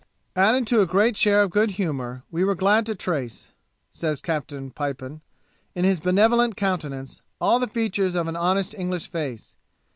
'Added to a great share of good humour, we were glad to trace,' says Captain Pipon, 'in his benevolent countenance, all the features of an honest English face.'